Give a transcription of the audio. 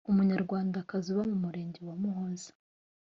umunyarwandakazi uba mu murenge wa muhoza